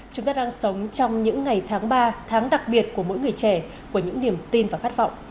chúng ta đang sống trong những ngày tháng ba tháng đặc biệt của mỗi người trẻ của những niềm tin và khát vọng